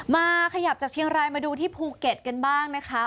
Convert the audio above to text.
มาขยับจากเชียงรายมาดูที่ภูเก็ตกันบ้างนะคะ